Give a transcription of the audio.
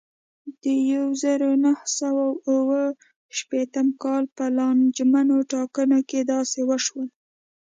د یوه زرو نهه سوه اوه شپېتم کال په لانجمنو ټاکنو کې داسې وشول.